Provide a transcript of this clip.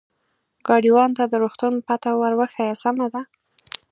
ګاډیوان ته د روغتون پته ور وښیه، سمه ده.